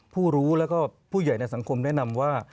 ผู้รู้แล้วก็ผู้ใหญ่ในสังคมแนะนำว่า